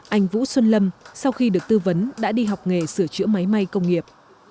anh vũ xuân lâm sau khi được tư vấn đã đi học nghề sửa chữa máy may công nghiệp